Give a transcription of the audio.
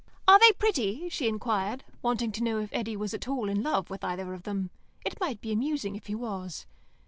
"Are they pretty?" she inquired, wanting to know if Eddy was at all in love with either of them. It might be amusing if he was.